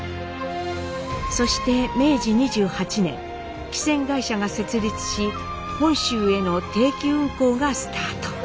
そして明治２８年汽船会社が設立し本州への定期運航がスタート。